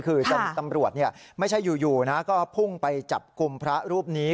คือตำรวจไม่ใช่อยู่นะก็พุ่งไปจับกลุ่มพระรูปนี้